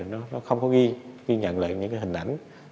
nó không có ghi ghi nhận lại những cái hình ảnh